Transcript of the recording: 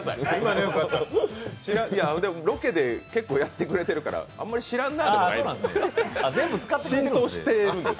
ロケで結構やってくれてるから、あまり知らんなではなくて。浸透してるんです。